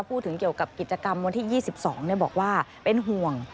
พูดถึงเกี่ยวกับกิจกรรมวันที่๒๒บอกว่าเป็นห่วง